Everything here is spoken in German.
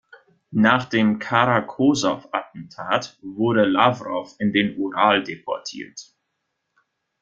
Nach dem Karakosow-Attentat wurde Lawrow in den Ural deportiert.